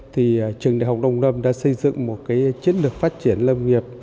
thì trường đại học đông lâm đã xây dựng một cái chiến lược phát triển lâm nghiệp